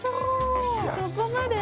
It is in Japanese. そこまで！？